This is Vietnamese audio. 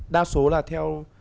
đa số là theo